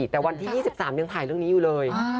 แต่วันที่๒๓ยังถ่ายเรื่องนี้อยู่เลย